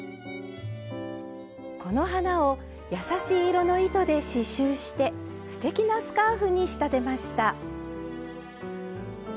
この花を優しい色の糸で刺しゅうしてすてきなスカーフに仕立てました。